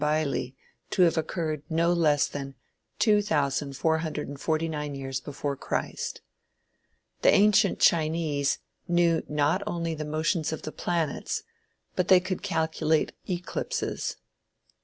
Bailly to have occurred no less than 2449 years before Christ." The ancient Chinese knew not only the motions of the planets, but they could calculate eclipses.